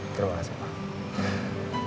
terima kasih pak